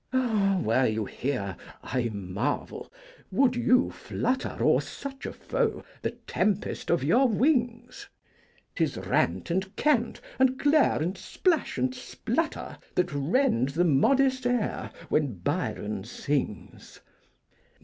Ah! were you here, I marvel, would you flutter O'er such a foe the tempest of your wings? 'T is 'rant and cant and glare and splash and splutter' That rend the modest air when Byron sings.